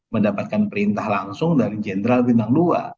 mendapatkan perintah langsung dari jenderal bintang dua